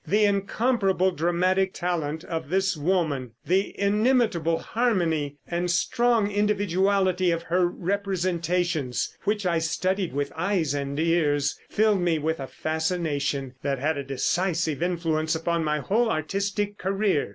The incomparable dramatic talent of this woman, the inimitable harmony and strong individuality of her representations, which I studied with eyes and ears, filled me with a fascination that had a decisive influence on my whole artistic career.